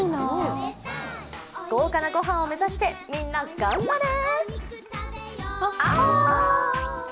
豪華なご飯を目指してみんな頑張れ。